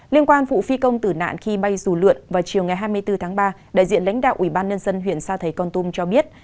liên quan phụ phi công tử nạn khi bay dù lượn vào chiều ngày hai mươi bốn tháng ba đại diện lãnh đạo ubnd huyện sa thầy con tum cho biết